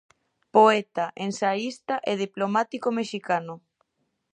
Poeta, ensaísta e diplomático mexicano.